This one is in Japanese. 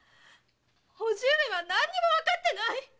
叔父上は何にもわかってない！